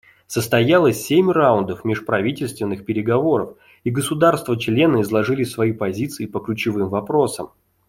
Состоялось семь раундов межправительственных переговоров, и государства-члены изложили свои позиции по ключевым вопросам.